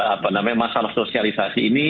apa namanya masalah sosialisasi ini